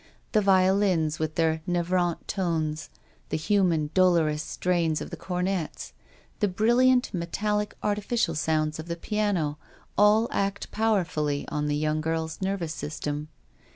The violins with their navrant tones, the human, dolorous strains of the cornets, the brilliant, metallic, artificial sounds of the piano, all act powerfully on the young girl's nervous sys tem.